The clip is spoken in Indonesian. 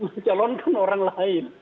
mencalonkan orang lainnya